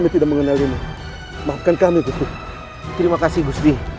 terima kasih gusdi